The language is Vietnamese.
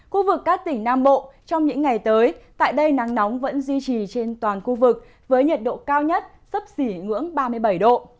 khu vực các tỉnh nam bộ trong những ngày tới tại đây nắng nóng vẫn duy trì trên toàn khu vực với nhiệt độ cao nhất sấp xỉ ngưỡng ba mươi bảy độ